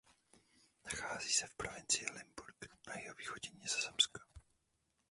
Nachází se v provincii Limburg na jihovýchodě Nizozemska.